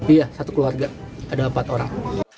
iya satu keluarga adalah empat orang